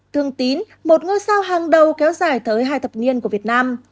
thường tín một ngôi sao hàng đầu kéo dài tới hai thập niên của việt nam